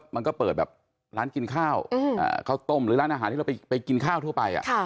มันก็เปิดแบบร้านกินข้าวข้าวต้มหรือร้านอาหารที่เราไปกินข้าวทั่วไป